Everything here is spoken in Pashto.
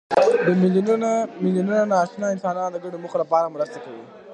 میلیونونه ناآشنا انسانان د ګډو موخو لپاره مرسته کوي.